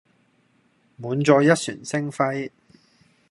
滿載一船星輝